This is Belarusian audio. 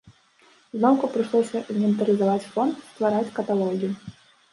Зноўку прыйшлося інвентарызаваць фонд, ствараць каталогі.